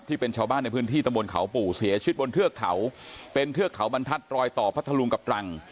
ที่เป็นชาวบ้านในพื้นที่ตะบนเขาปู่เสียชีวิตบนเทือกเขาเป็นเทือกเขาบรรทัศน์รอยต่อพัทธลุงกับตรัง